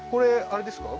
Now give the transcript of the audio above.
あれですか？